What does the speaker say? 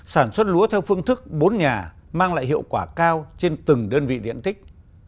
sản xuất lúa theo phương thức bốn nhà mang lại hiệu quả cao trên từng đơn vị điện tích